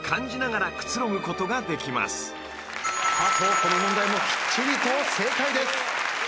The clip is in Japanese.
この問題もきっちりと正解です。